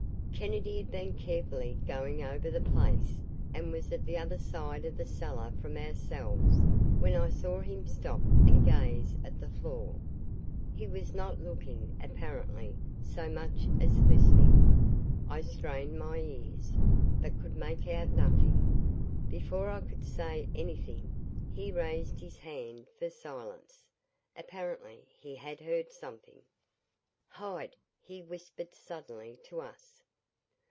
Kennedy had been carefully going over the place and was at the other side of the cellar from ourselves when I saw him stop and gaze at the floor. He was not looking, apparently, so much as listening. I strained my ears, but could make out nothing. Before I could say anything, he raised his hand for silence. Apparently he had heard something. "Hide," he whispered suddenly to us.